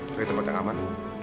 pada tempat yang aman